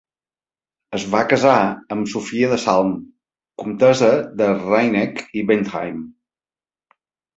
Es va casar amb Sofia de Salm, comtessa de Rheineck i Bentheim.